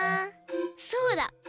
そうだ！